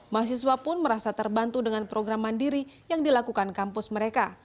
mahasiswa pun merasa terbantu dengan program mandiri yang dilakukan kampus mereka